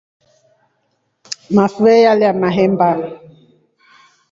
Mafuve nyalya mahemba.